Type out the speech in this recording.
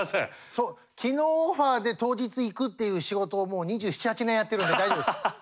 そう昨日オファーで当日行くっていう仕事をもう２７２８年やってるんで大丈夫です。